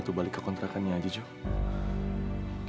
gue gak mungkin melakukannya jok